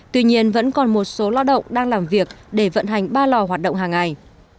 tuy nhiên vẫn còn một số lao động đang làm việc để vận hành ba lò hoạt động hàng ngày